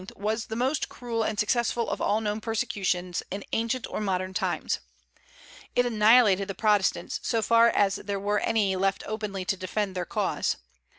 was the most cruel and successful of all known persecutions in ancient or modern times. It annihilated the Protestants, so far as there were any left openly to defend their cause.